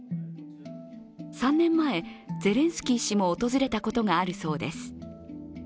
３年前、ゼレンスキー氏も訪れたことがあるそうです。